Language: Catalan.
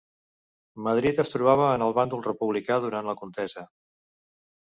Madrid es trobava en el bàndol republicà durant la contesa.